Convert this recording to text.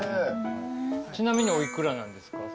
ちなみにお幾らなんですか？